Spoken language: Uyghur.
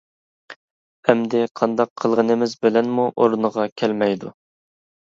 ئەمدى قانداق قىلغىنىمىز بىلەنمۇ ئورنىغا كەلمەيدۇ.